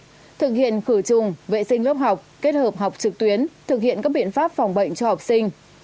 thực hiện khử trùng vệ sinh lớp học kết hợp học trực tuyến thực hiện các biện pháp phòng bệnh cho học sinh